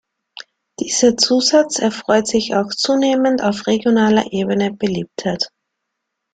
Dieser Zusatz erfreut sich auch zunehmend auf regionaler Ebene Beliebtheit.